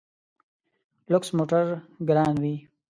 لوکس موټر ګران وي.